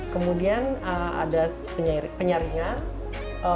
kemudian ada penyaringan